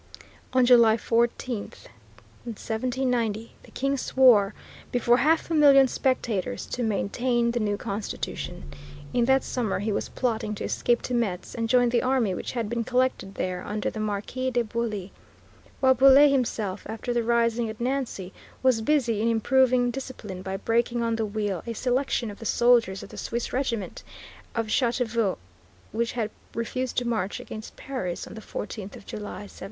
On July 14, 1790, the King swore, before half a million spectators, to maintain the new constitution. In that summer he was plotting to escape to Metz and join the army which had been collected there under the Marquis de Bouillé, while Bouillé himself, after the rising at Nancy, was busy in improving discipline by breaking on the wheel a selection of the soldiers of the Swiss regiment of Châteauvieux which had refused to march against Paris on the 14th of July, 1789.